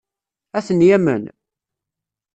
Ad ten-yamen?